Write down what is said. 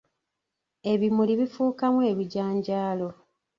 Ebimuli bifuukaamu ebijanjaalo.